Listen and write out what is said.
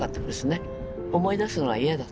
思い出すのは嫌だった。